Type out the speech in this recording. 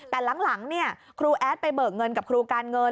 แต่หลังครูแอดไปเบิกเงินกับครูการเงิน